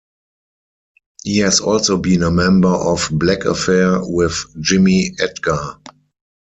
He has also been a member of Black Affair with Jimmy Edgar.